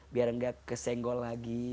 biar enggak kesenggol lagi